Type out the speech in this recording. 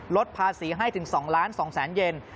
ลดภาษีให้ถึง๒๒๐๐๐๐๐เยน